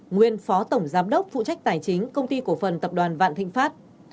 nguyên phó tổng giám đốc phụ trách tài chính công ty cổ phần tập đoàn vạn thịnh pháp